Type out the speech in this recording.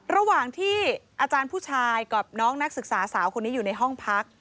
ระหว่างที่อาจารย์ผู้ชายกับน้องนักศึกษาสาวคนนี้อยู่ในห้องพัก